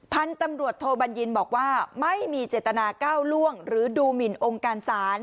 พันธุ์ตำรวจโทบัญญินบอกว่าไม่มีเจตนาก้าวล่วงหรือดูหมินองค์การศาล